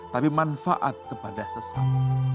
tapi manfaat kepada sesama